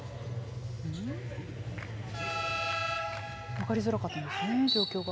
分かりづらかったんですね、状況が。